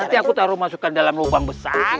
nanti aku taruh masukkan dalam lubang besar